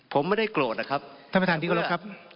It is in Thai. ผมไม่ได้โกรธนะครับท่านประธานพิกษะครับ